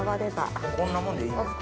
もうこんなもんでいいんですか？